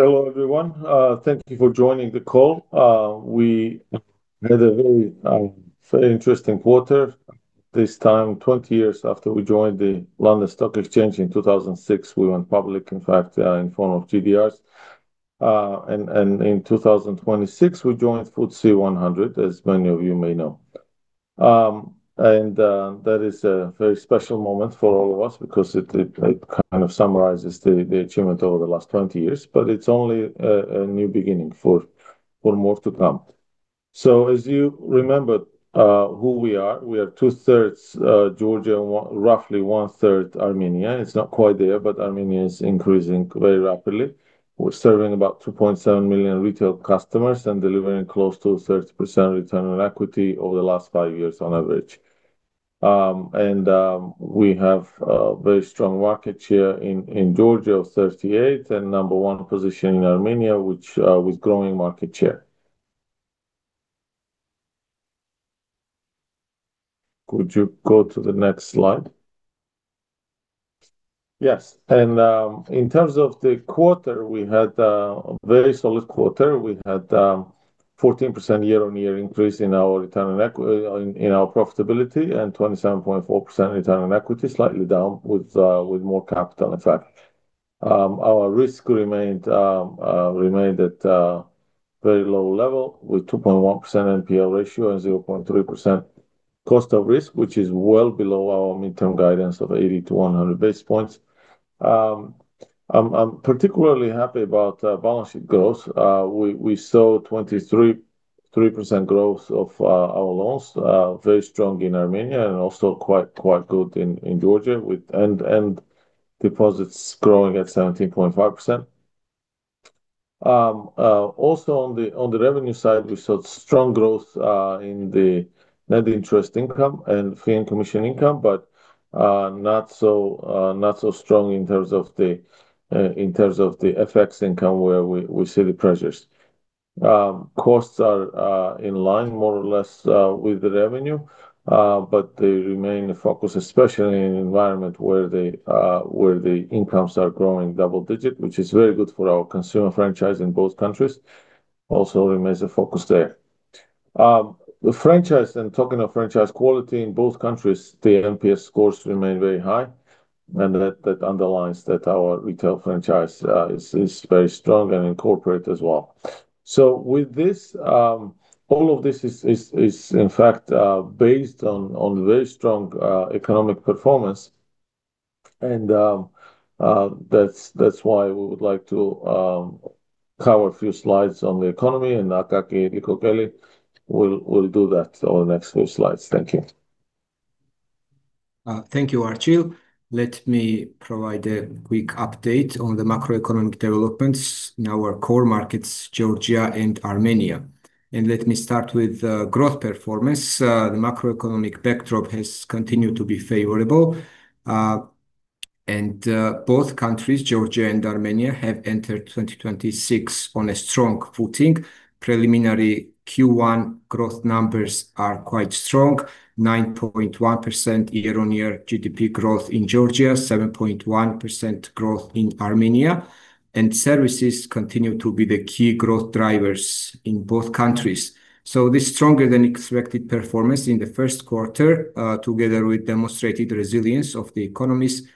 Hello, everyone. Thank you for joining the call. We had a very interesting quarter this time, 20 years after we joined the London Stock Exchange in 2006, we went public, in fact, in form of GDRs. In 2026, we joined FTSE 100, as many of you may know. That is a very special moment for all of us because it kind of summarizes the achievement over the last 20 years, but it's only a new beginning for more to come. As you remember, who we are, we are two-thirds Georgia, roughly one-third Armenia. It's not quite there, Armenia is increasing very rapidly. We're serving about 2.7 million retail customers and delivering close to 30% return on equity over the last five years on average. We have a very strong market share in Georgia of 38%, and number one position in Armenia, with growing market share. Could you go to the next slide? Yes. In terms of the quarter, we had a very solid quarter. We had 14% year-on-year increase in our return on equity in our profitability and 27.4% return on equity, slightly down with more capital, in fact. Our risk remained at a very low level with 2.1% NPL ratio and 0.3% cost of risk, which is well below our midterm guidance of 80 to 100 basis points. I'm particularly happy about balance sheet growth. We saw 23.3% growth of our loans, very strong in Armenia and also quite good in Georgia with deposits growing at 17.5%. Also on the revenue side, we saw strong growth in the net interest income and fee and commission income, not so strong in terms of the FX income where we see the pressures. Costs are in line more or less with the revenue, they remain the focus, especially in an environment where the incomes are growing double-digit, which is very good for our consumer franchise in both countries. Remains a focus there. The franchise, talking of franchise quality in both countries, the NPS scores remain very high, and that underlines that our retail franchise is very strong and corporate as well. With this, all of this is in fact based on very strong economic performance and that's why we would like to cover a few slides on the economy and Akaki Liqokeli will do that on the next few slides. Thank you. Thank you, Archil. Let me provide a quick update on the macroeconomic developments in our core markets, Georgia and Armenia. Let me start with growth performance. The macroeconomic backdrop has continued to be favorable, and both countries, Georgia and Armenia, have entered 2026 on a strong footing. Preliminary Q1 growth numbers are quite strong, 9.1% year-on-year GDP growth in Georgia, 7.1% growth in Armenia, and services continue to be the key growth drivers in both countries. This stronger than expected performance in the first quarter, together with demonstrated resilience of the economies,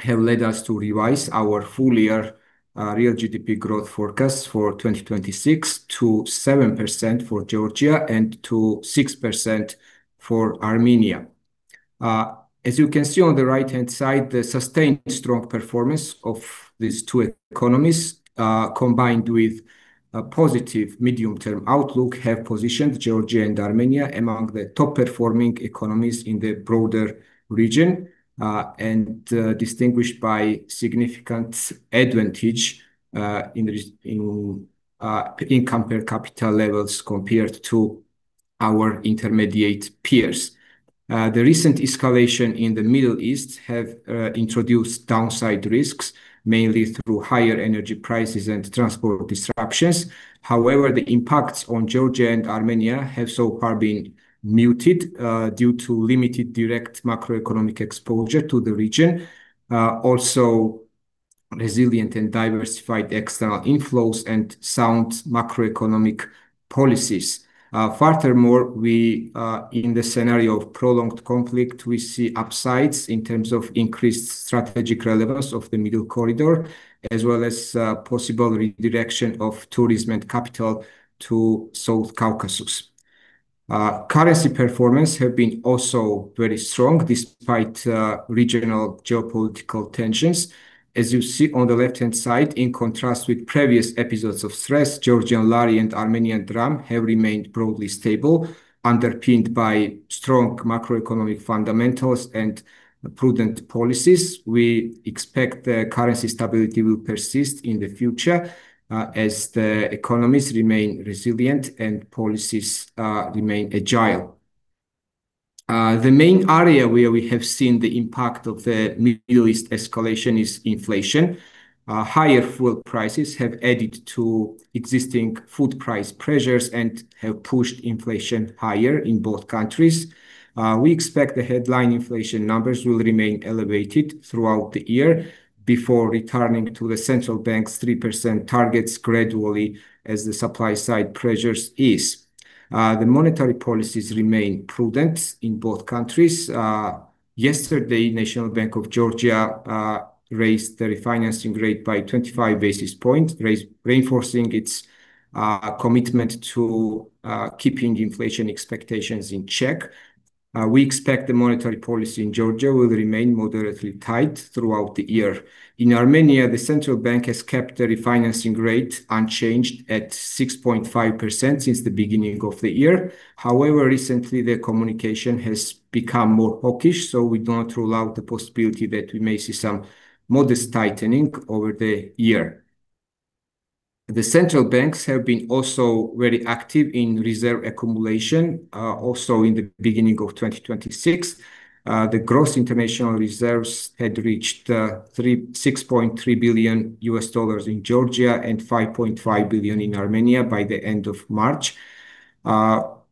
have led us to revise our full year real GDP growth forecast for 2026 to 7% for Georgia and to 6% for Armenia. As you can see on the right-hand side, the sustained strong performance of these two economies, combined with a positive medium-term outlook, have positioned Georgia and Armenia among the top performing economies in the broader region, and distinguished by significant advantage in compared capital levels compared to our intermediate peers. The recent escalation in the Middle East have introduced downside risks, mainly through higher energy prices and transport disruptions. However, the impacts on Georgia and Armenia have so far been muted, due to limited direct macroeconomic exposure to the region, also resilient and diversified external inflows and sound macroeconomic policies. Furthermore, we, in the scenario of prolonged conflict, we see upsides in terms of increased strategic relevance of the middle corridor, as well as, possible redirection of tourism and capital to South Caucasus. Currency performance have been also very strong despite regional geopolitical tensions. As you see on the left-hand side, in contrast with previous episodes of stress, Georgian lari and Armenian dram have remained broadly stable, underpinned by strong macroeconomic fundamentals and prudent policies. We expect the currency stability will persist in the future, as the economies remain resilient and policies remain agile. The main area where we have seen the impact of the Middle East escalation is inflation. Higher fuel prices have added to existing food price pressures and have pushed inflation higher in both countries. We expect the headline inflation numbers will remain elevated throughout the year before returning to the Central Bank's 3% targets gradually as the supply side pressures ease. The monetary policies remain prudent in both countries. Yesterday, National Bank of Georgia raised the refinancing rate by 25 basis points, reinforcing its commitment to keeping inflation expectations in check. We expect the monetary policy in Georgia will remain moderately tight throughout the year. In Armenia, the central bank has kept the refinancing rate unchanged at 6.5% since the beginning of the year. However, recently, their communication has become more hawkish, so we do not rule out the possibility that we may see some modest tightening over the year. The central banks have been also very active in reserve accumulation, also in the beginning of 2026. The gross international reserves had reached $6.3 billion in Georgia and $5.5 billion in Armenia by the end of March.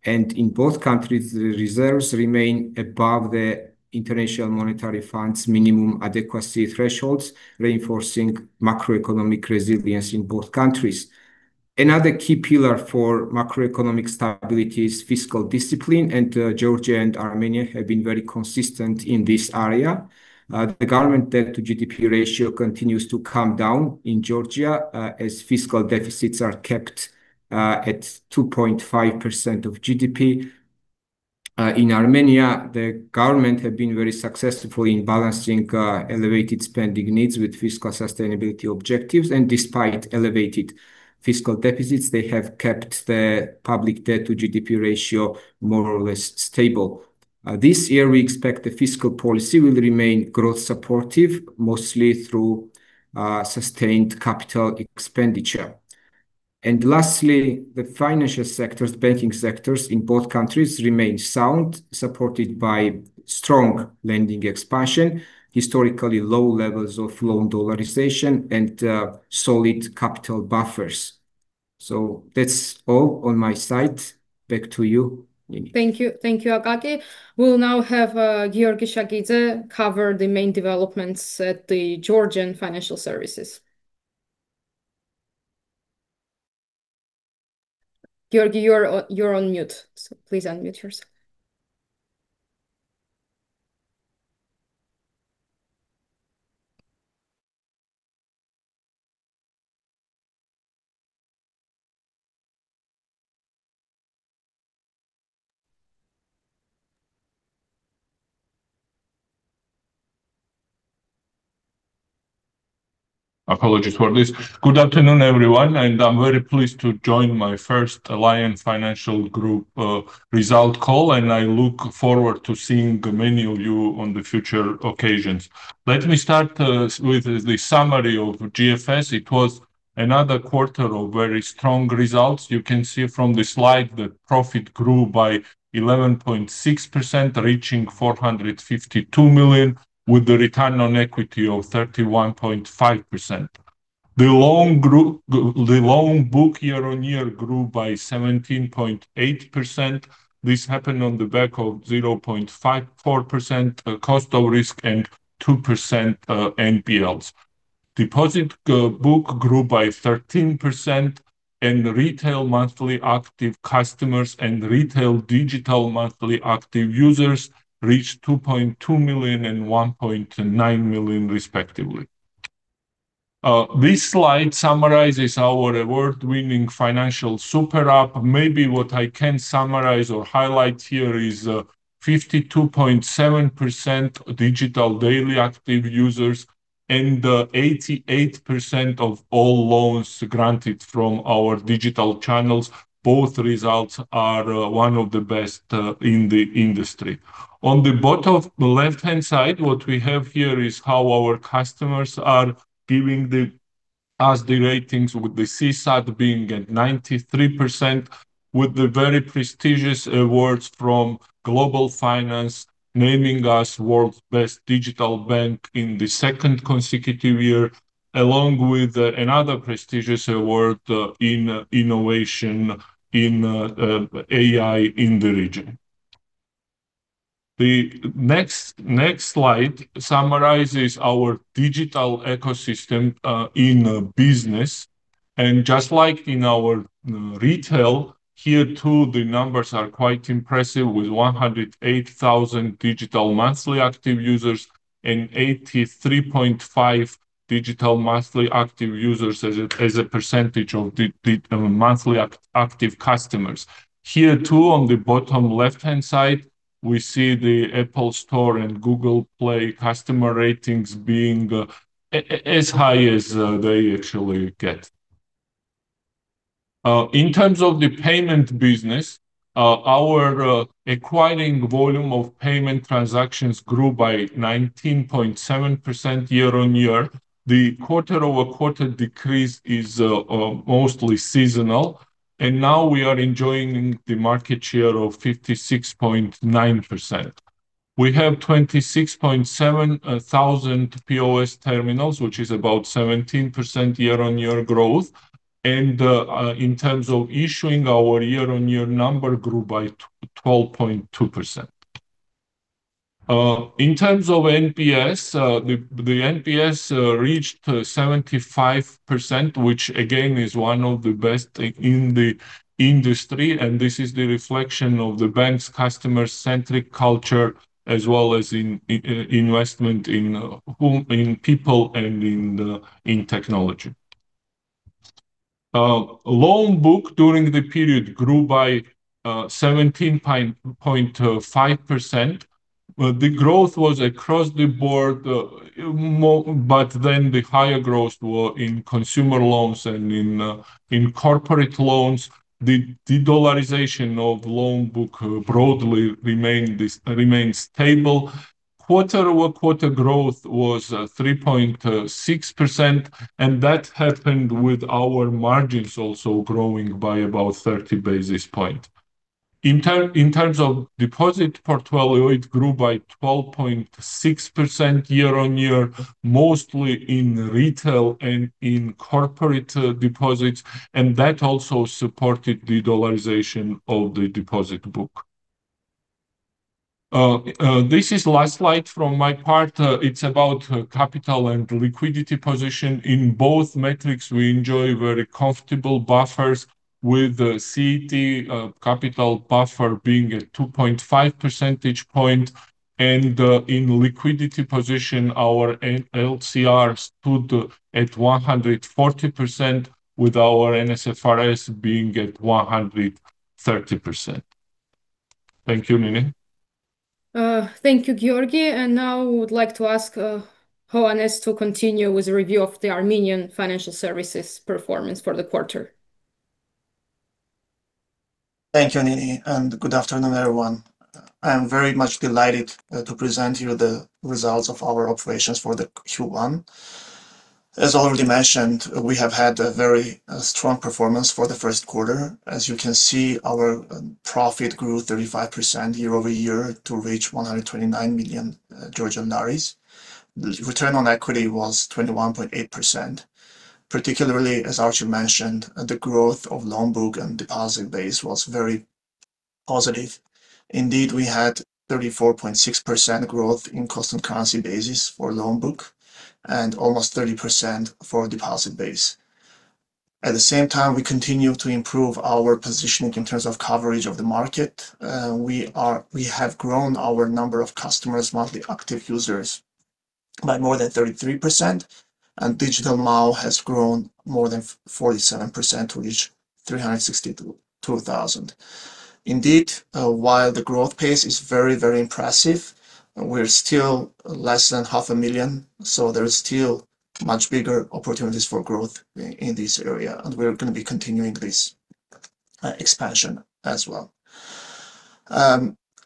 In both countries, the reserves remain above the International Monetary Fund's minimum adequacy thresholds, reinforcing macroeconomic resilience in both countries. Another key pillar for macroeconomic stability is fiscal discipline, and Georgia and Armenia have been very consistent in this area. The government debt to GDP ratio continues to come down in Georgia, as fiscal deficits are kept at 2.5% of GDP. In Armenia, the government have been very successful in balancing elevated spending needs with fiscal sustainability objectives, and despite elevated fiscal deficits, they have kept the public debt to GDP ratio more or less stable. This year, we expect the fiscal policy will remain growth supportive, mostly through sustained capital expenditure. Lastly, the financial sectors, banking sectors in both countries remain sound, supported by strong lending expansion, historically low levels of loan dollarization, and solid capital buffers. That's all on my side. Back to you, Nini. Thank you. Thank you, Akaki. We'll now have Giorgi Shagidze cover the main developments at the Georgian Financial Services. Giorgi, you're on mute, so please unmute yourself. Apologies for this. Good afternoon, everyone, and I'm very pleased to join my first Lion Finance Group result call, and I look forward to seeing many of you on the future occasions. Let me start with the summary of GFS. It was another quarter of very strong results. You can see from the slide that profit grew by 11.6%, reaching GEL 452 million, with the return on equity of 31.5%. The loan book year-on-year grew by 17.8%. This happened on the back of 0.54% cost of risk and 2% NPLs. Deposit book grew by 13%, and retail monthly active customers and retail digital monthly active users reached 2.2 million and 1.9 million, respectively. This slide summarizes our award-winning financial super app. Maybe what I can summarize or highlight here is 52.7% digital daily active users and 88% of all loans granted from our digital channels. Both results are one of the best in the industry. On the bottom left-hand side, what we have here is how our customers are giving us the ratings with the CSAT being at 93%, with the very prestigious awards from Global Finance naming us World's Best Digital Bank in the second consecutive year, along with another prestigious award in innovation in AI in the region. The next slide summarizes our digital ecosystem in business. Just like in our retail, here too the numbers are quite impressive with 108,000 digital monthly active users and 83.5% digital monthly active users as a percentage of the monthly active customers. Here too, on the bottom left-hand side, we see the Apple Store and Google Play customer ratings being as high as they actually get. In terms of the payment business, our acquiring volume of payment transactions grew by 19.7% year-on-year. The quarter-over-quarter decrease is mostly seasonal. Now we are enjoying the market share of 56.9%. We have 26.7 thousand POS terminals, which is about 17% year-on-year growth. In terms of issuing, our year-on-year number grew by 12.2%. In terms of NPS, the NPS reached 75%, which again, is one of the best in the industry, and this is the reflection of the bank's customer-centric culture, as well as investment in people and in technology. Loan book during the period grew by 17.5%. The growth was across the board, more, but then the higher growths were in consumer loans and in corporate loans. The de-dollarization of loan book broadly remained this remains stable. Quarter-over-quarter growth was 3.6%, and that happened with our margins also growing by about 30 basis point. In terms of deposit portfolio, it grew by 12.6% year-on-year, mostly in retail and in corporate deposits, and that also supported de-dollarization of the deposit book. This is last slide from my part. It's about capital and liquidity position. In both metrics, we enjoy very comfortable buffers with the CET capital buffer being at 2.5 percentage point, and in liquidity position, our LCR stood at 140% with our NSFRS being at 130%. Thank you, Nini. Thank you, Giorgi. Now we would like to ask Hovhannes to continue with the review of the Armenian financial services performance for the quarter. Thank you, Nini. Good afternoon, everyone. I am very much delighted to present you the results of our operations for the Q1. As already mentioned, we have had a very strong performance for the first quarter. As you can see, our profit grew 35% year-over-year to reach GEL 129 million. Return on equity was 21.8%. Particularly, as Archil mentioned, the growth of loan book and deposit base was very positive. Indeed, we had 34.6% growth in constant currency basis for loan book and almost 30% for deposit base. At the same time, we continue to improve our positioning in terms of coverage of the market. We have grown our number of customers, monthly active users by more than 33%, and digital MAU has grown more than 47% to reach 362,000. Indeed, while the growth pace is very, very impressive, we're still less than half a million, so there is still much bigger opportunities for growth in this area, and we're gonna be continuing this expansion as well.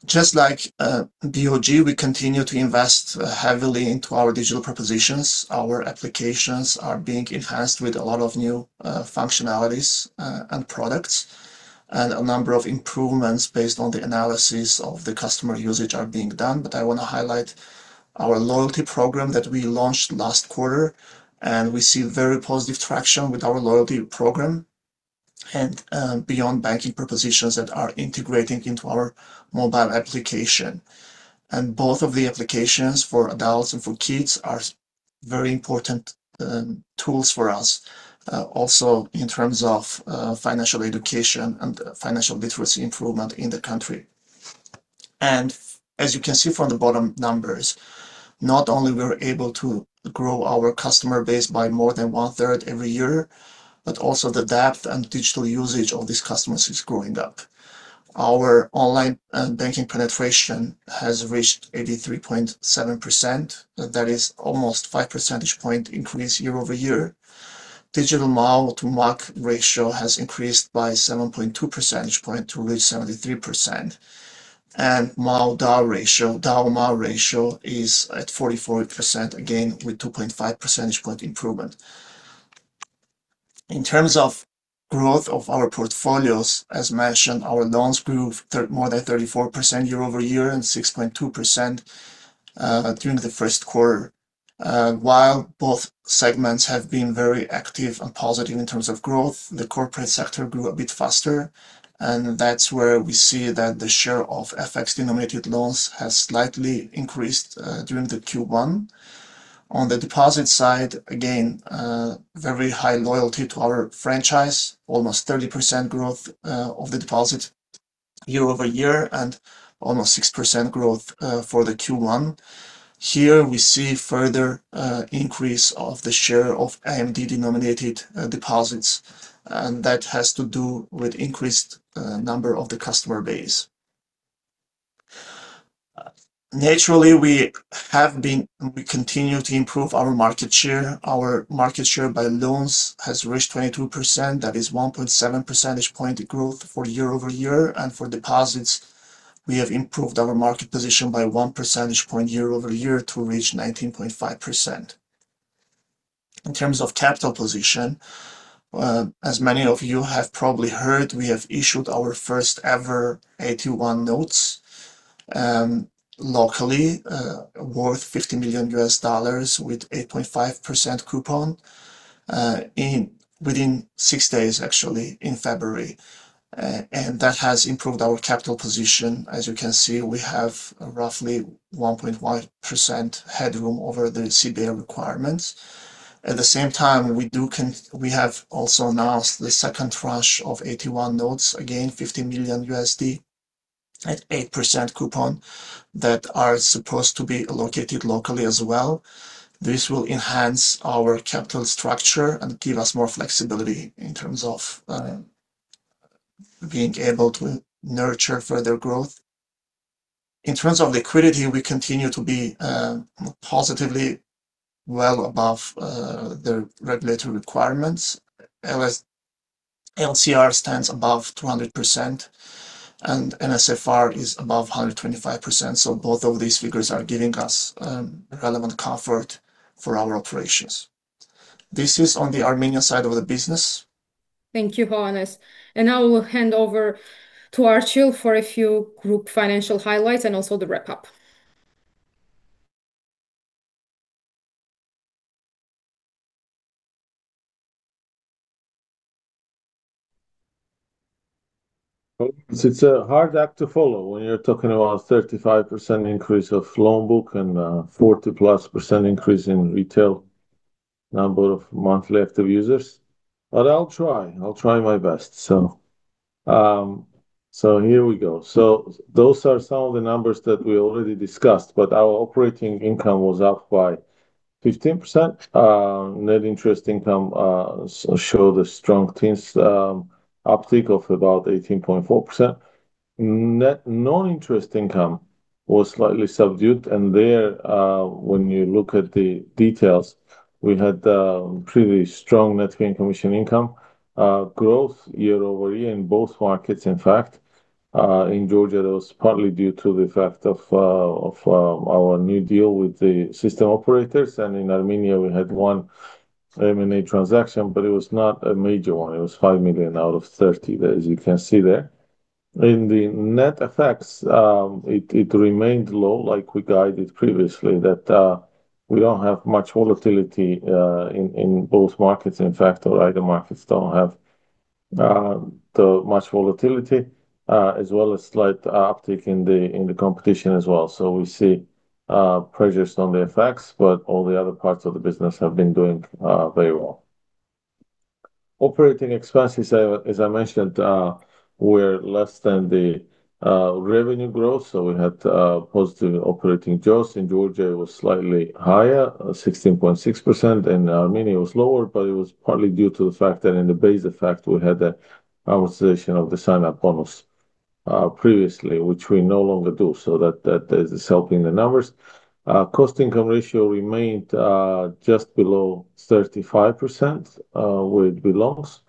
Just like BoG, we continue to invest heavily into our digital propositions. Our applications are being enhanced with a lot of new functionalities and products, and a number of improvements based on the analysis of the customer usage are being done. I want to highlight our loyalty program that we launched last quarter, and we see very positive traction with our loyalty program and beyond banking propositions that are integrating into our mobile application. Both of the applications for adults and for kids are very important tools for us, also in terms of financial education and financial literacy improvement in the country. As you can see from the bottom numbers, not only we are able to grow our customer base by more than 1/3 every year, but also the depth and digital usage of these customers is growing up. Our online banking penetration has reached 83.7%. That is almost 5 percentage point increase year-over-year. Digital MAU to MAU ratio has increased by 7.2 percentage point to reach 73%. MAU/DAU ratio, DAU/MAU ratio is at 44%, again, with 2.5 percentage point improvement. In terms of growth of our portfolios, as mentioned, our loans grew more than 34% year-over-year and 6.2% during the first quarter. While both segments have been very active and positive in terms of growth, the corporate sector grew a bit faster, and that's where we see that the share of FX-denominated loans has slightly increased during the Q1. On the deposit side, again, very high loyalty to our franchise, almost 30% growth of the deposit year-over-year and almost 6% growth for the Q1. Here we see further increase of the share of AMD-denominated deposits, and that has to do with increased number of the customer base. Naturally, we continue to improve our market share. Our market share by loans has reached 22%. That is 1.7 percentage point growth for year-over-year. For deposits, we have improved our market position by 1 percentage point year-over-year to reach 19.5%. In terms of capital position, as many of you have probably heard, we have issued our first ever AT1 notes, locally, worth $50 million with 8.5% coupon, in, within six days, actually, in February. That has improved our capital position. As you can see, we have roughly 1.1% headroom over the CBA requirements. At the same time, we have also announced the second tranche of AT1 notes, again, $50 million at 8% coupon that are supposed to be allocated locally as well. This will enhance our capital structure and give us more flexibility in terms of being able to nurture further growth. In terms of liquidity, we continue to be positively well above the regulatory requirements. LCR stands above 200% and NSFR is above 125%. Both of these figures are giving us relevant comfort for our operations. This is on the Armenian side of the business. Thank you, Hovhannes. Now we'll hand over to Archil for a few group financial highlights and also the wrap-up. Well, it's a hard act to follow when you're talking about 35% increase of loan book and 40-plus% increase in retail number of monthly active users. I'll try. I'll try my best. Here we go. Those are some of the numbers that we already discussed, but our operating income was up by 15%. Net interest income showed the strong trends, uptick of about 18.4%. Non-interest income was slightly subdued, when you look at the details, we had pretty strong net fee and commission income growth year-over-year in both markets, in fact. In Georgia, that was partly due to the fact of our new deal with the system operators. In Armenia, we had one M&A transaction, but it was not a major one. It was GEL 5 million out of GEL 30 million, as you can see there. In the net effects, it remained low, like we guided previously that we don't have much volatility in both markets. In fact, all other markets don't have much volatility, as well as slight uptick in the competition as well. We see pressures on the effects, but all the other parts of the business have been doing very well. Operating expenses, as I mentioned, were less than the revenue growth. We had positive operating jaws. In Georgia, it was slightly higher, 16.6%. In Armenia, it was lower, but it was partly due to the fact that in the base effect, we had the amortization of the sign-up bonus previously, which we no longer do. That, that is helping the numbers. Cost-income ratio remained just below 35%, where it belongs.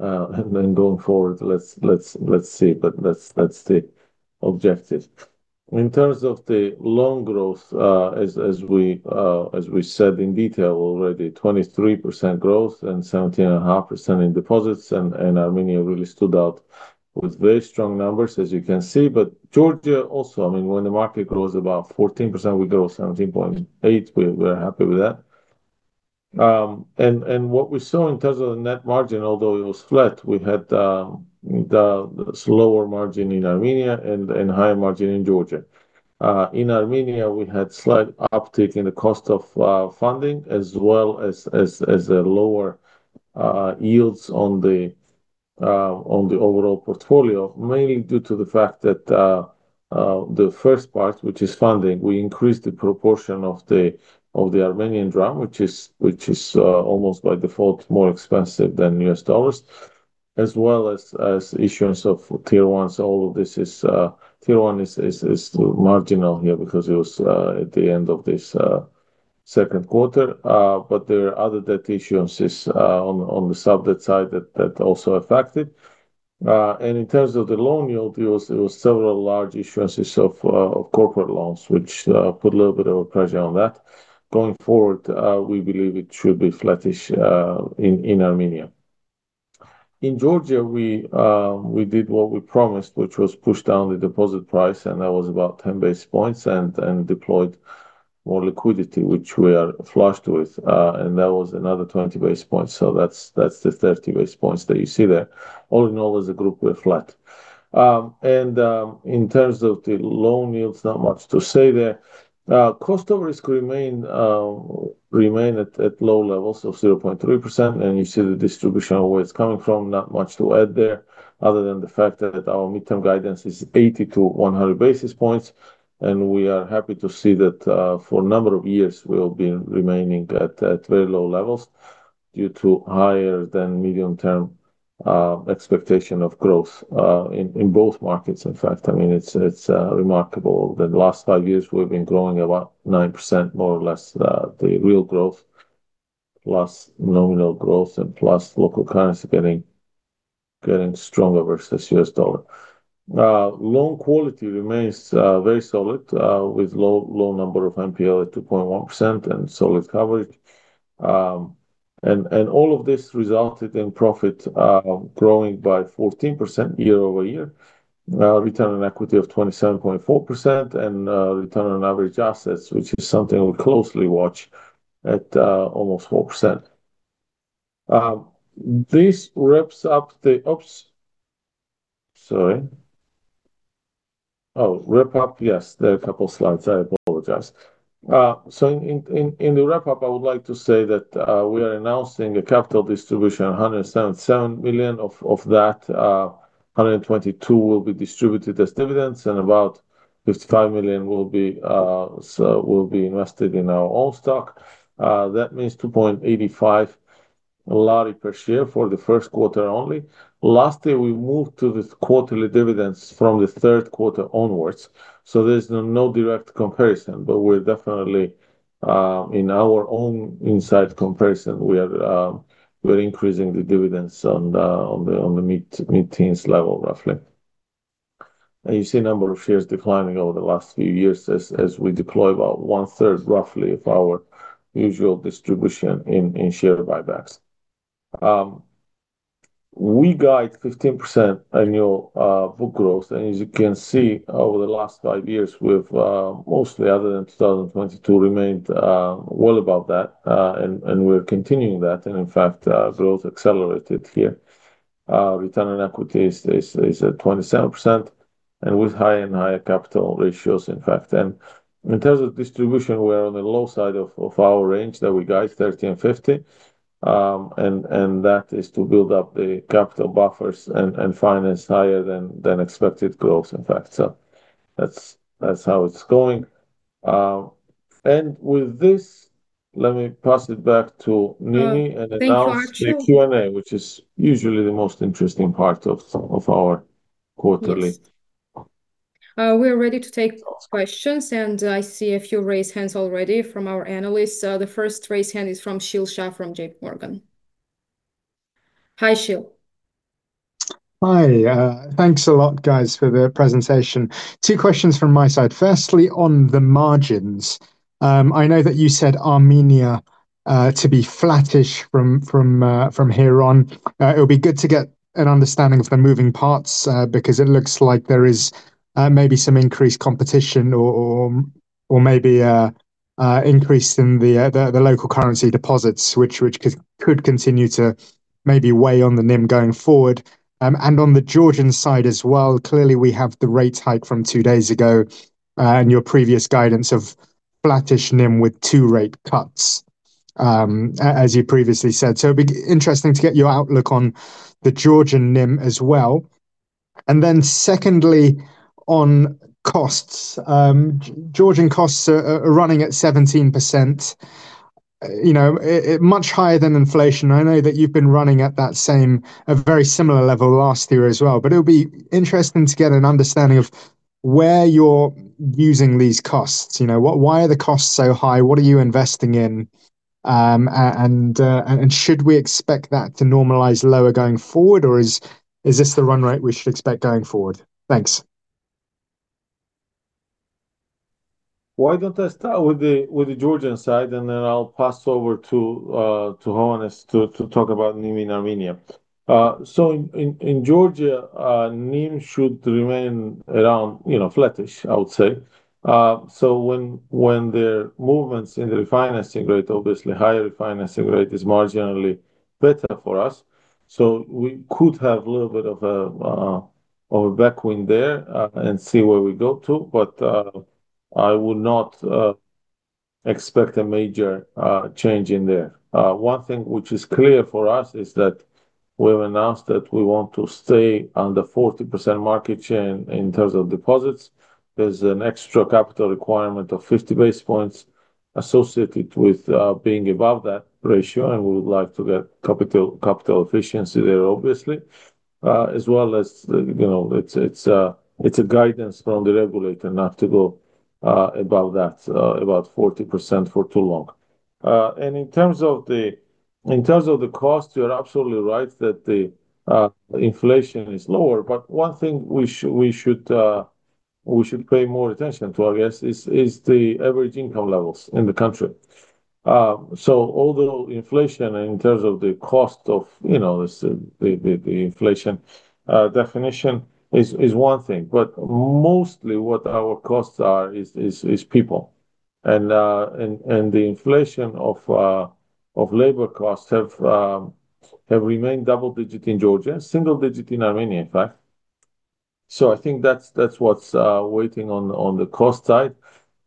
Going forward, let's see, but that's the objective. In terms of the loan growth, as we said in detail already, 23% growth and 17.5% in deposits, Armenia really stood out with very strong numbers, as you can see. Georgia also, I mean, when the market grows about 14%, we grow 17.8%. We're happy with that. What we saw in terms of the net margin, although it was flat, we had the slower margin in Armenia and higher margin in Georgia. In Armenia, we had slight uptick in the cost of funding, as well as lower yields on the overall portfolio, mainly due to the fact that the first part, which is funding, we increased the proportion of the Armenian dram, which is almost by default, more expensive than U.S. dollars, as well as issuance of Tier 1. All of this is Tier 1 is marginal here because it was at the end of this second quarter. There are other debt issuances on the sub-debt side that also affected. In terms of the loan yield, there was several large issuances of corporate loans, which put a little bit of a pressure on that. Going forward, we believe it should be flattish in Armenia. In Georgia, we did what we promised, which was push down the deposit price, and that was about 10 basis points and deployed more liquidity, which we are flushed with, and that was another 20 basis points. That's the 30 basis points that you see there. All in all, as a group, we're flat. In terms of the loan yields, not much to say there. Cost of risk remain at low levels of 0.3%, and you see the distribution of where it's coming from. Not much to add there, other than the fact that our midterm guidance is 80 basis points-100 basis points. We are happy to see that for a number of years, we'll be remaining at very low levels due to higher than medium-term expectation of growth in both markets, in fact. I mean, it's remarkable that the last five years we've been growing about 9%, more or less, the real growth plus nominal growth and plus local currency getting stronger versus U.S. dollar. Loan quality remains very solid with low number of NPL at 2.1% and solid coverage. All of this resulted in profit growing by 14% year-over-year. Return on equity of 27.4% and return on average assets, which is something we closely watch, at almost 4%. Wrap up. Yes, there are a couple slides. I apologize. In the wrap up, I would like to say that we are announcing a capital distribution, GEL 177 million of that. GEL 122 million will be distributed as dividends, and about GEL 55 million will be invested in our own stock. That means GEL 2.85 per share for the first quarter only. Last year, we moved to this quarterly dividends from the third quarter onwards, so there's no direct comparison. We're definitely, in our own inside comparison, we are increasing the dividends on the mid-teens level, roughly. You see number of shares declining over the last few years as we deploy about one-third, roughly, of our usual distribution in share buybacks. We guide 15% annual book growth. As you can see, over the last five years, we've mostly other than 2022, remained well above that. And we're continuing that. In fact, growth accelerated here. Return on equity is at 27% and with higher and higher capital ratios, in fact. In terms of distribution, we're on the low side of our range that we guide, 30% and 50%. That is to build up the capital buffers and finance higher than expected growth, in fact. That's how it's going. With this, let me pass it back to Nini. Thank you, Archil. Announce the Q&A, which is usually the most interesting part of our quarterly. Yes. We're ready to take questions. I see a few raised hands already from our analysts. The first raised hand is from Sheel Shah from JPMorgan. Hi, Sheel. Hi. Thanks a lot, guys, for the presentation. Two questions from my side. Firstly, on the margins, I know that you said Armenia to be flattish from here on. It would be good to get an understanding of the moving parts, because it looks like there is maybe some increased competition or maybe a increase in the local currency deposits, which could continue to maybe weigh on the NIM going forward. On the Georgian side as well, clearly we have the rate hike from two days ago, and your previous guidance of flattish NIM with two rate cuts, as you previously said. It'd be interesting to get your outlook on the Georgian NIM as well. Secondly, on costs. Georgian costs are running at 17%, you know, much higher than inflation. I know that you've been running at that same, a very similar level last year as well. It would be interesting to get an understanding of where you're using these costs. You know, what, why are the costs so high? What are you investing in? And should we expect that to normalize lower going forward, or is this the run-rate we should expect going forward? Thanks. Why don't I start with the, with the Georgian side, and then I'll pass over to Hovhannes to talk about NIM in Armenia. In Georgia, NIM should remain around, you know, flattish, I would say. When the movements in the refinancing rate, obviously higher refinancing rate is marginally better for us, we could have a little bit of a backwind there, and see where we go to. I would not expect a major change in there. One thing which is clear for us is that we've announced that we want to stay under 40% market share in terms of deposits. There's an extra capital requirement of 50 basis points associated with being above that ratio, and we would like to get capital efficiency there, obviously. As well as, you know, it's, it's a guidance from the regulator not to go above that, above 40% for too long. In terms of the, in terms of the cost, you're absolutely right that the inflation is lower. One thing we should, we should pay more attention to, I guess, is the average income levels in the country. Although inflation in terms of the cost of, you know, this, the, the inflation definition is one thing, but mostly what our costs are is, is people. The inflation of labor costs have remained double-digit in Georgia, single-digit in Armenia, in fact. I think that's what's waiting on the cost side.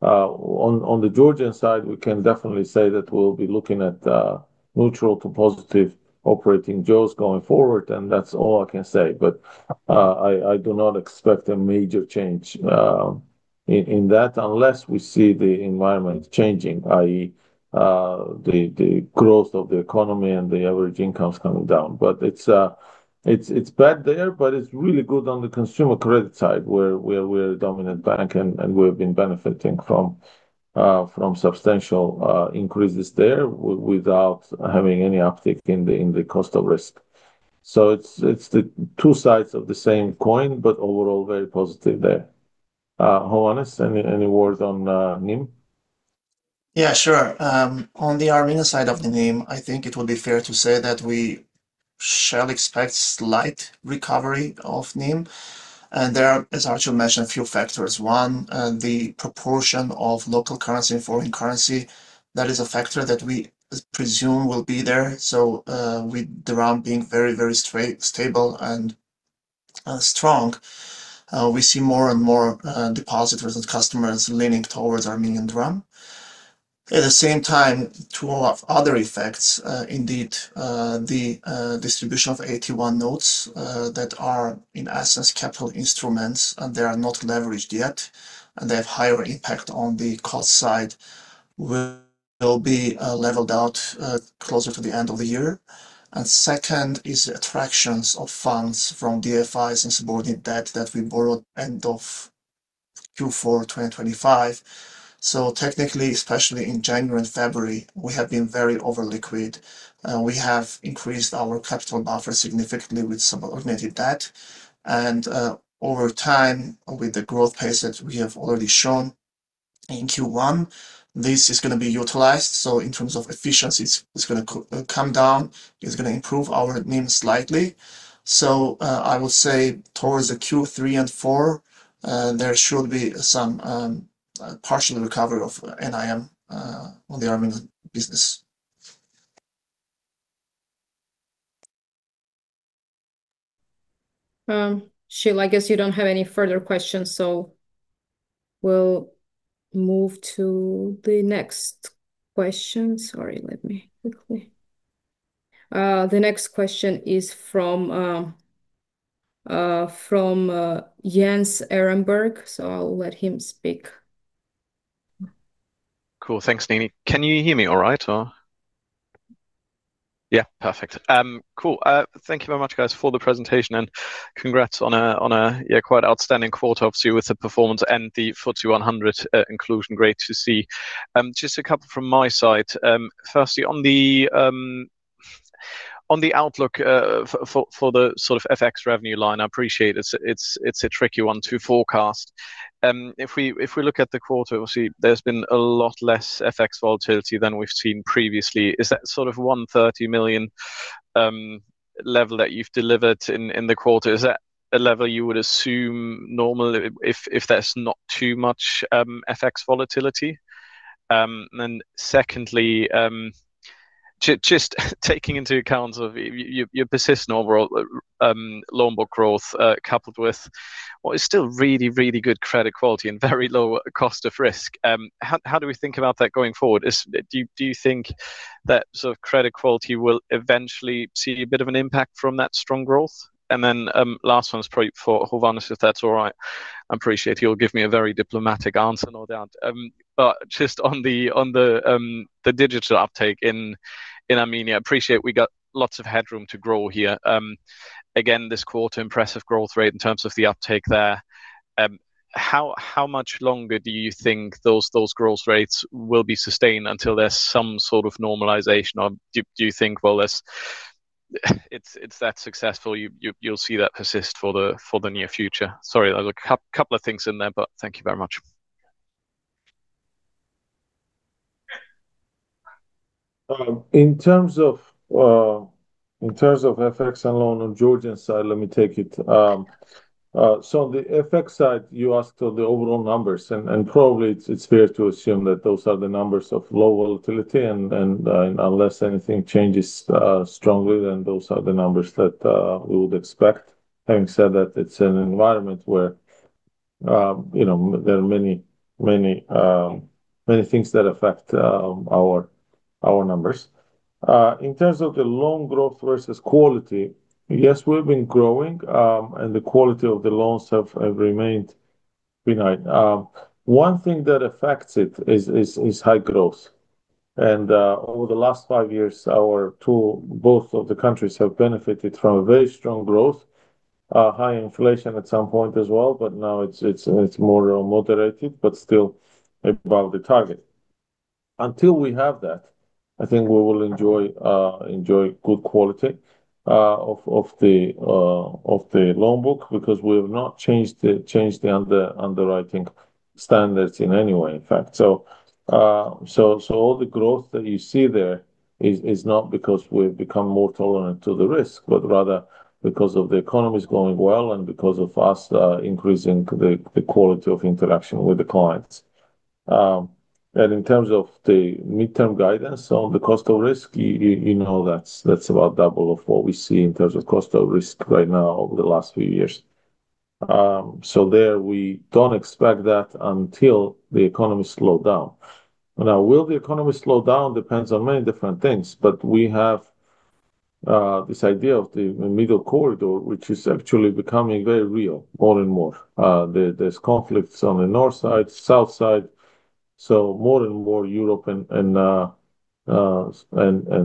On, on the Georgian side, we can definitely say that we'll be looking at neutral to positive operating jaws going forward, and that's all I can say. I do not expect a major change in that unless we see the environment changing, i.e., the growth of the economy and the average incomes coming down. It's, it's bad there, but it's really good on the consumer credit side where we're a dominant bank and we've been benefiting from substantial increases there without having any uptick in the, in the cost of risk. It's, it's the two sides of the same coin, but overall very positive there. Hovhannes, any words on NIM? Sure. On the Armenia side of the NIM, I think it would be fair to say that we shall expect slight recovery of NIM, and there are, as Archil mentioned, a few factors. One, the proportion of local currency and foreign currency, that is a factor that we presume will be there. With the dram being very, very stable and strong, we see more and more depositors and customers leaning towards Armenian dram. At the same time, two of other effects, indeed, the distribution of AT1 notes, that are in essence capital instruments and they are not leveraged yet, and they have higher impact on the cost side will be leveled out closer to the end of the year. Second is attractions of funds from DFIs and subordinated debt that we borrowed end of Q4, 2025. Technically, especially in January and February, we have been very over-liquid, and we have increased our capital buffer significantly with subordinated debt. Over time, with the growth pace that we have already shown in Q1, this is gonna be utilized, so in terms of efficiency it's gonna come down, it's gonna improve our NIM slightly. I would say towards the Q3 and Q4, there should be some partial recovery of NIM on the Armenia business. Sheel, I guess you don't have any further questions. We'll move to the next question. Sorry, the next question is from Jens Ehrenberg. I'll let him speak. Cool, thanks, Nini. Can you hear me all right or? Yeah, perfect. Cool. Thank you very much, guys, for the presentation, congrats on a quite outstanding quarter, obviously, with the performance and the FTSE 100 inclusion. Great to see. Just a couple from my side. Firstly on the outlook for the sort of FX revenue line, I appreciate it's a tricky one to forecast. If we look at the quarter, we'll see there's been a lot less FX volatility than we've seen previously. Is that sort of GEL 130 million level that you've delivered in the quarter, is that a level you would assume normally if there's not too much FX volatility? Secondly, taking into account of your persistent overall loan book growth, coupled with what is still really, really good credit quality and very low cost of risk, how do we think about that going forward? Do you think that sort of credit quality will eventually see a bit of an impact from that strong growth? Last one is probably for Hovhannes, if that's all right. I appreciate he'll give me a very diplomatic answer, no doubt. Just on the digital uptake in Armenia, appreciate we got lots of headroom to grow here. Again, this quarter, impressive growth rate in terms of the uptake there. How much longer do you think those growth rates will be sustained until there's some sort of normalization or do you think, well, this It's that successful you'll see that persist for the near future? Sorry, there's a couple of things in there, but thank you very much. In terms of FX and loan on Georgian side, let me take it. On the FX side, you asked on the overall numbers and probably it's fair to assume that those are the numbers of low volatility, and unless anything changes strongly, then those are the numbers that we would expect. Having said that, it's an environment where, you know, there are many things that affect our numbers. In terms of the loan growth versus quality, yes, we've been growing, and the quality of the loans have remained benign. One thing that affects it is high growth and over the last five years, our two, both of the countries have benefited from a very strong growth, high inflation at some point as well, but now it's more moderated, but still above the target. Until we have that, I think we will enjoy good quality of the loan book because we have not changed the underwriting standards in any way, in fact. All the growth that you see there is not because we've become more tolerant to the risk, but rather because of the economy's going well and because of us increasing the quality of interaction with the clients. In terms of the midterm guidance on the cost of risk, you know, that's about double of what we see in terms of cost of risk right now over the last few years. There we don't expect that until the economy slow down. Now, will the economy slow down depends on many different things, but we have this idea of the Middle Corridor, which is actually becoming very real more and more. There's conflicts on the North side, South side, more and more Europe and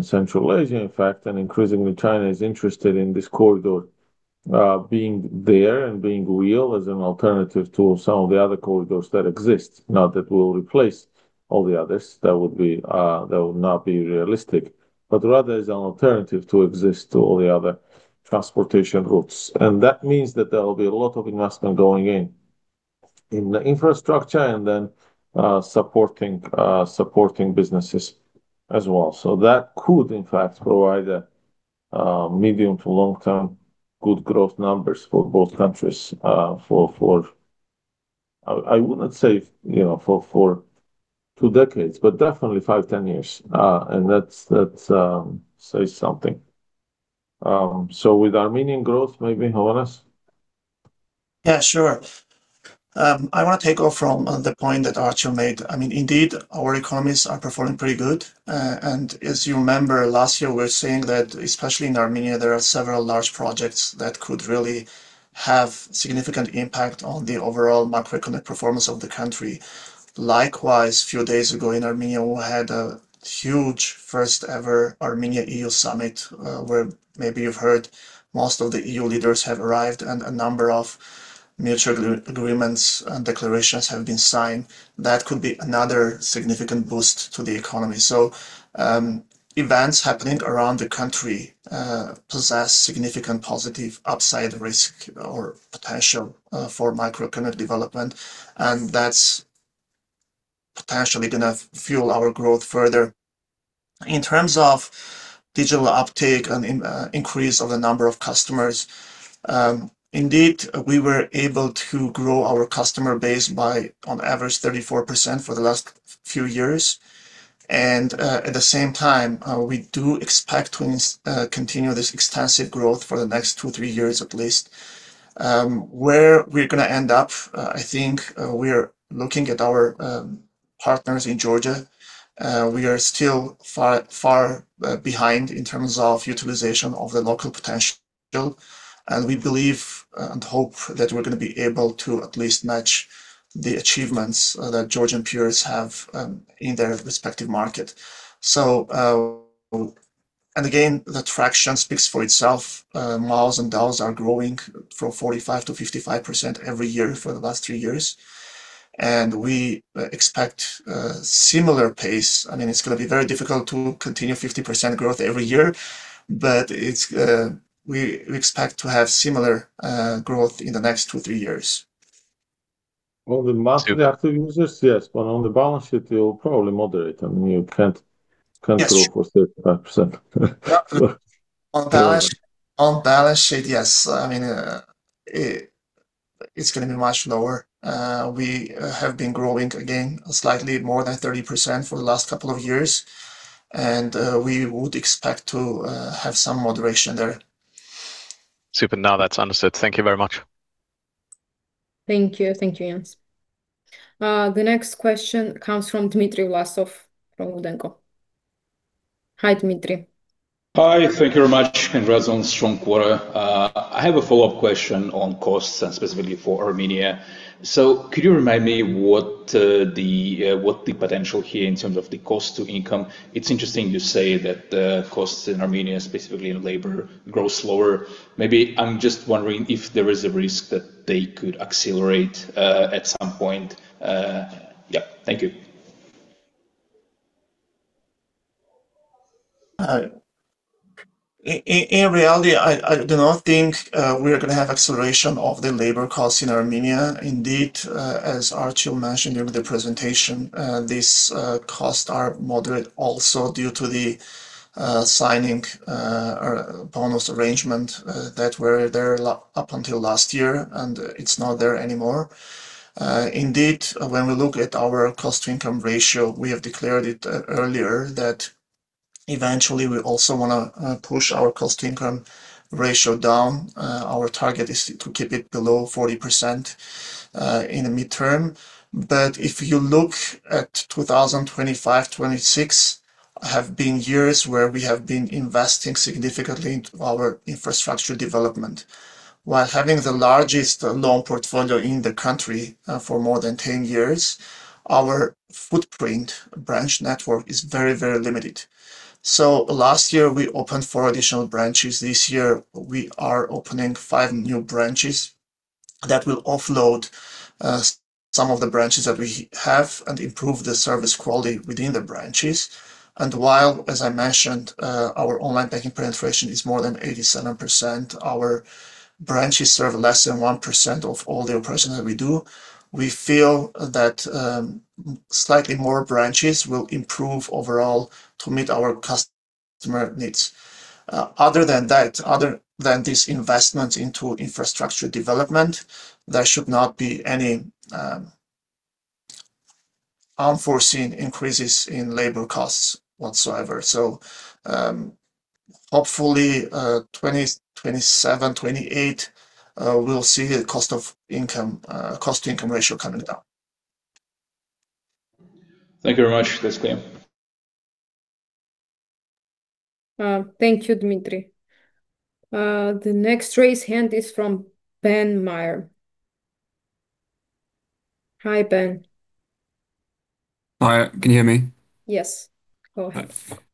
Central Asia, in fact, and increasingly China is interested in this corridor. Being there and being real is an alternative to some of the other corridors that exist. Not that we'll replace all the others, that would not be realistic, but rather as an alternative to exist to all the other transportation routes. That means that there will be a lot of investment going in the infrastructure and then supporting businesses as well. That could in fact provide a medium to long-term good growth numbers for both countries, you know, for two decades, but definitely 5years-10years. That's says something. With Armenian growth maybe, Hovhannes? Yeah, sure. I want to take off from the point that Archil made. I mean, indeed, our economies are performing pretty good. As you remember last year we were saying that especially in Armenia, there are several large projects that could really have significant impact on the overall macroeconomic performance of the country. Likewise, few days ago in Armenia, we had a huge first ever Armenia EU summit, where maybe you've heard most of the EU leaders have arrived and a number of mutual agreements and declarations have been signed. That could be another significant boost to the economy. Events happening around the country possess significant positive upside risk or potential for macroeconomic development, and that's potentially going to fuel our growth further. In terms of digital uptake and increase of the number of customers, indeed, we were able to grow our customer base by on average 34% for the last few years. At the same time, we do expect to continue this extensive growth for the next 2 years-3 years at least. Where we're gonna end up, I think, we are looking at our partners in Georgia. We are still far behind in terms of utilization of the local potential. We believe and hope that we're gonna be able to at least match the achievements that Georgian peers have in their respective market. Again, the traction speaks for itself. MAUs and DAUs are growing from 45%-55% every year for the last three years, and we expect a similar pace. I mean, it's gonna be very difficult to continue 50% growth every year, but it's, we expect to have similar growth in the next 2-3 years. Well, the monthly active users, yes, but on the balance sheet it will probably moderate. I mean, you can't grow for 35%. Yeah. On balance, on balance sheet, yes. I mean, it's gonna be much lower. We have been growing again slightly more than 30% for the last couple of years and, we would expect to have some moderation there. Super. No, that's understood. Thank you very much. Thank you. Thank you, Jens. The next question comes from Dmitry Vlasov from WOOD & Co. Hi, Dmitry. Hi. Thank you very much. Congrats on strong quarter. I have a follow-up question on costs and specifically for Armenia. Could you remind me what the potential here in terms of the cost to income? It's interesting you say that the costs in Armenia, specifically in labor, grow slower. Maybe I'm just wondering if there is a risk that they could accelerate at some point. Yeah. Thank you. In reality, I do not think we are gonna have acceleration of the labor costs in Armenia. Indeed, as Archil mentioned during the presentation, these costs are moderate also due to the sign-on bonus arrangement that were there up until last year and it's not there anymore. Indeed, when we look at our Cost-income ratio, we have declared it earlier that eventually we also wanna push our Cost-income ratio down. Our target is to keep it below 40% in the midterm. If you look at 2025, 2026 have been years where we have been investing significantly into our infrastructure development. While having the largest loan portfolio in the country, for more than 10 years, our footprint branch network is very limited. Last year we opened four additional branches. This year we are opening five new branches that will offload some of the branches that we have and improve the service quality within the branches. While, as I mentioned, our online banking penetration is more than 87%, our branches serve less than 1% of all the operations that we do. We feel that slightly more branches will improve overall to meet our customer needs. Other than that, other than this investment into infrastructure development, there should not be any unforeseen increases in labor costs whatsoever. Hopefully, 2027-2028, we'll see a cost-income ratio coming down. Thank you very much. That's clear. Thank you, Dmitry. The next raised hand is from [Ben Meyer]. Hi, [Ben] Hi, can you hear me? Yes. Go ahead.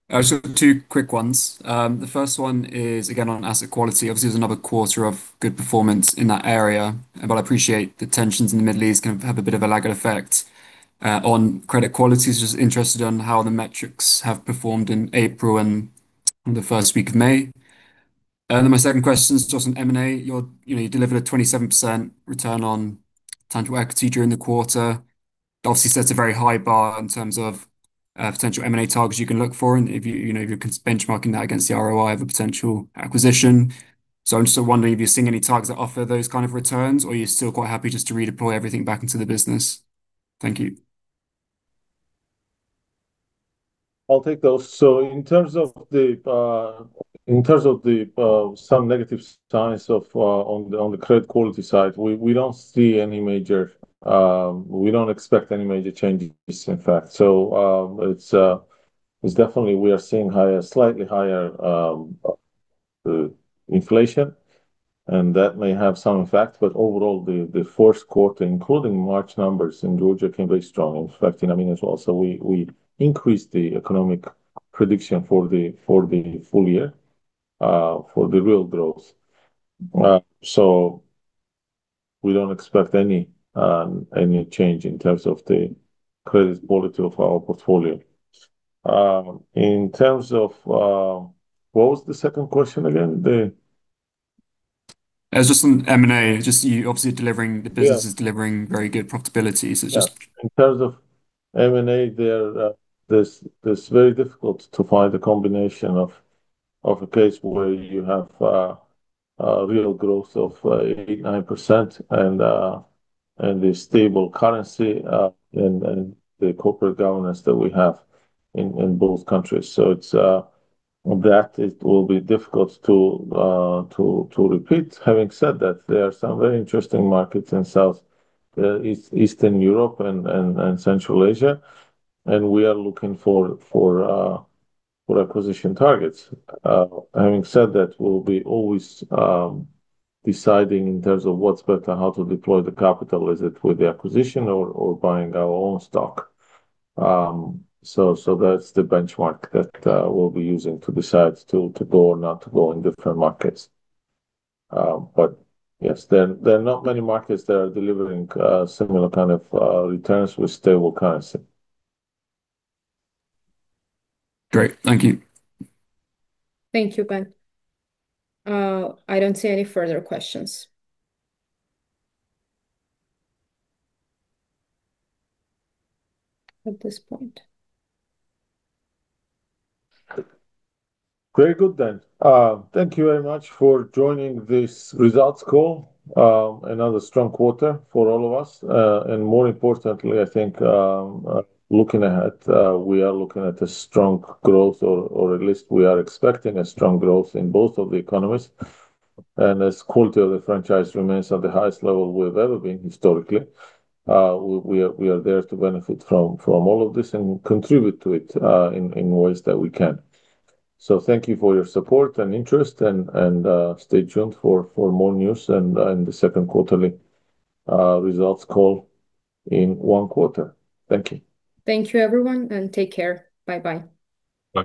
I just have two quick ones. The first one is, again, on asset quality. Obviously, it's another quarter of good performance in that area, but I appreciate the tensions in the Middle East can have a bit of a lagging effect on credit quality. Just interested on how the metrics have performed in April and the first week of May. Then my second question is just on M&A. You know, you delivered a 27% return on tangible equity during the quarter. Obviously, sets a very high bar in terms of potential M&A targets you can look for and if you know, if you're benchmarking that against the ROI of a potential acquisition. I'm just wondering if you're seeing any targets that offer those kind of returns, or are you still quite happy just to redeploy everything back into the business? Thank you. I'll take those. In terms of the some negative signs on the credit quality side, we don't see any major. We don't expect any major changes, in fact. It's definitely we are seeing slightly higher inflation, and that may have some effect. Overall, the first quarter, including March numbers in Georgia, came very strong. In fact, in Armenia as well. We increased the economic prediction for the full year for the real growth. We don't expect any change in terms of the credit quality of our portfolio. In terms of, What was the second question again? It was just on M&A. Yeah The business is delivering very good profitability. Yeah. In terms of M&A there, that's very difficult to find a combination of a case where you have a real growth of 8%-9% and a stable currency and the corporate governance that we have in both countries. It's that it will be difficult to repeat. Having said that, there are some very interesting markets in Southeastern Europe and Central Asia, and we are looking for acquisition targets. Having said that, we'll be always deciding in terms of what's better, how to deploy the capital. Is it with the acquisition or buying our own stock? That's the benchmark that we'll be using to decide to go or not to go in different markets. Yes, there are not many markets that are delivering, similar kind of, returns with stable currency. Great. Thank you. Thank you, [Ben]. I don't see any further questions at this point. Very good then. Thank you very much for joining this results call. Another strong quarter for all of us. More importantly, I think, looking ahead, we are looking at a strong growth or at least we are expecting a strong growth in both of the economies. As quality of the franchise remains at the highest level we've ever been historically, we are there to benefit from all of this and contribute to it in ways that we can. Thank you for your support and interest and stay tuned for more news and the second quarterly results call in one quarter. Thank you. Thank you everyone and take care. Bye-bye.